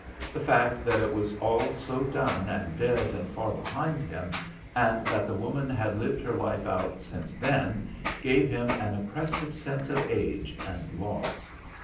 The fact that it was all so done and dead and far behind him, and that the woman had lived her life out since then, gave him an oppressive sense of age and loss.